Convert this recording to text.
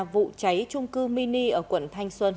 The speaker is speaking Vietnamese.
vụ cháy trung cư mini ở quận thanh xuân